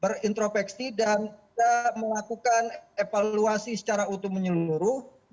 berintropeksi dan kita melakukan evaluasi secara utuh menyeluruh